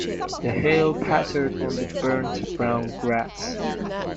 The hail pattered on the burnt brown grass.